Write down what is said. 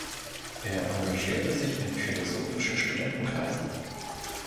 Er engagierte sich in philosophischen Studentenkreisen.